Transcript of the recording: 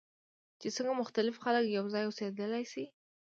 چې څنګه مختلف خلک یوځای اوسیدلی شي.